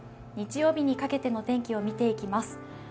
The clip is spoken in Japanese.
日曜日にかけての天気を見ていきます。